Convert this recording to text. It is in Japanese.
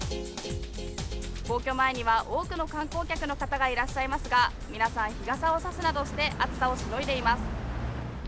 皇居前には多くの観光客の方がいらっしゃいますが、皆さん、日傘を差すなどして暑さをしのいでいます。